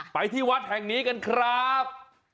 ไปที่วัดแห่งนี้กันครับ